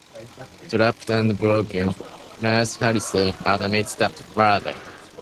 Trapped and broken, Nurse Harrison admits the murder.